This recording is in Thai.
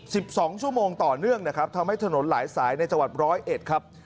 สิบสองชั่วโมงต่อเนื่องนะครับทำให้ถนนหลายสายในจังหวัดร้อยเอ็ดครับ